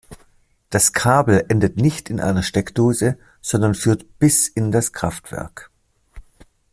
Das Kabel endet nicht in einer Steckdose, sondern führt bis in das Kraftwerk.